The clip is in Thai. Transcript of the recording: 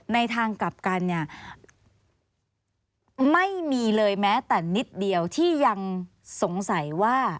ในทางกลับกันเนี่ยไม่มีเลยแม้แต่นิดเดียวที่ยังสงสัยว่า